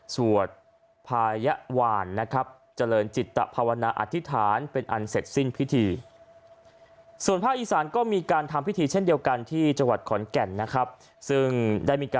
สวดพายะว่านนะครับเจริญจิตภาวนาอธิษฐานเป็นอันเสร็จสิ้นพิธี